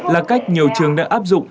là cách nhiều trường đã áp dụng